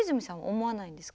思わないんですか？